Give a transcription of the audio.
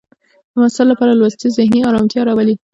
د محصل لپاره لوستل ذهني ارامتیا راولي.